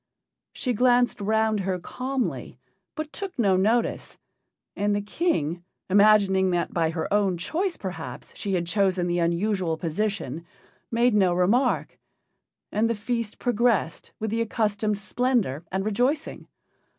She glanced round her calmly, but took no notice; and the King, imagining that by her own choice perhaps, she had chosen the unusual position, made no remark. And the feast progressed with the accustomed splendor and rejoicing.